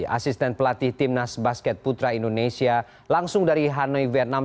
asisten pelatih timnas basket putra indonesia langsung dari hanoi vietnam